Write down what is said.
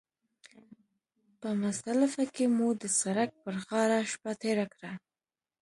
په مزدلفه کې مو د سړک پر غاړه شپه تېره کړه.